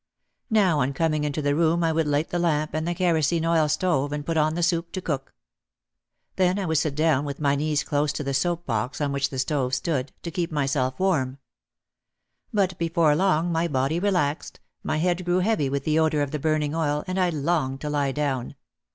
Now on coming into the room I would light the lamp and the kerosene oil stove and put on the soup to cook. Then I would sit down with my knees close to the soap box on which the stove stood, to keep myself warm. But before long my body relaxed, my head grew heavy with the odour of the burning oil and I longed to lie down.